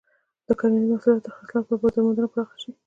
د کرنیزو محصولاتو د خرڅلاو لپاره بازار موندنه پراخه شي.